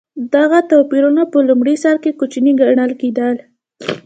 دغه توپیرونه په لومړي سر کې کوچني ګڼل کېدل.